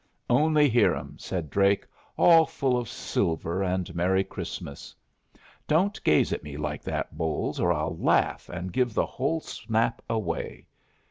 "Only hear 'em!" said Drake. "All full of silver and Merry Christmas. Don't gaze at me like that, Bolles, or I'll laugh and give the whole snap away.